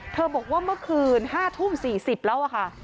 บอกว่าเมื่อคืน๕ทุ่ม๔๐แล้วค่ะ